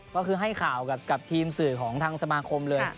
ก็คือให้ข่าวกับทีมสื่อของทางสมาคมเลย